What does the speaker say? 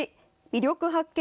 魅力発見！